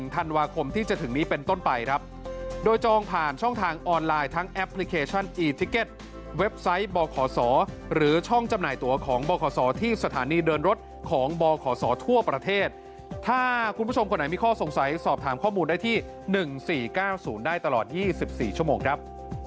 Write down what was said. ทั้งประเทศเว็บไซต์บขสหรือช่องจำหน่ายตัวของบขสที่สถานีเดินรถของบขสทั่วประเทศถ้าคุณผู้ชมคนไหนมีข้อสงสัยสอบถามข้อมูลได้ที่๑๔๙๐ได้ตลอด๒๔ชั่วโมงครับ